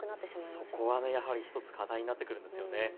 そこは１つ、課題になってくるんですよね。